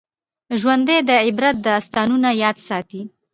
ژوندي د عبرت داستانونه یاد ساتي